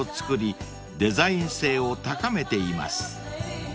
デザイン性を高めています］